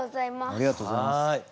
ありがとうございます。